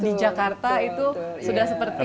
di jakarta itu sudah seperti